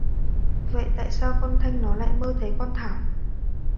Vậy tại sao con thanh nó lại hay mơ thấy con thảo